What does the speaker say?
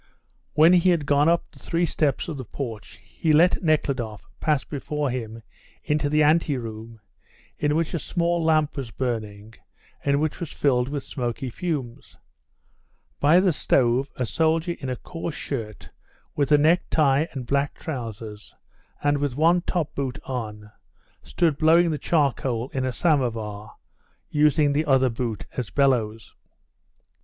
When he had gone up the three steps of the porch he let Nekhludoff pass before him into the ante room, in which a small lamp was burning, and which was filled with smoky fumes. By the stove a soldier in a coarse shirt with a necktie and black trousers, and with one top boot on, stood blowing the charcoal in a somovar, using the other boot as bellows.